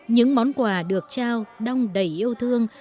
những món quà được trao đông đầy yêu thương